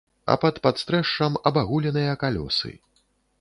А пад падстрэшшам абагуленыя калёсы.